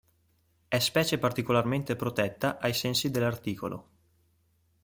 È specie particolarmente protetta ai sensi dell'art.